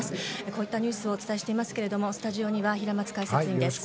こういったニュースをお伝えしていますけれどもスタジオには平松解説委員です。